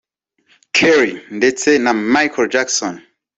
Kelly ndetse na Michael Jackson